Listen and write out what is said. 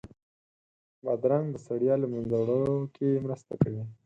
بادرنګ د ستړیا له منځه وړو کې مرسته کوي.